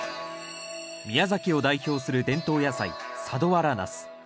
宮崎を代表する伝統野菜佐土原ナス。